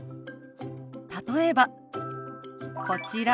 例えばこちら。